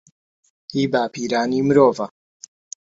هی باپیرانی مرۆڤە